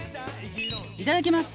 いただきます